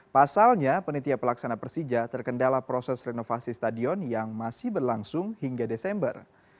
pasalnya penitia pelaksana persija terkendala proses renovasi stadion yang masih berlangsung hingga desember